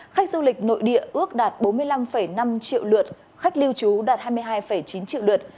khách du lịch nội địa ước đạt bốn mươi năm năm triệu lượt khách lưu trú đạt hai mươi hai chín triệu lượt